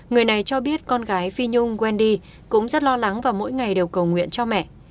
người này cho biết con gái phi nhung walendy cũng rất lo lắng và mỗi ngày đều cầu nguyện cho mẹ